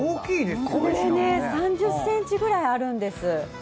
これね、３０ｃｍぐらいあるんです。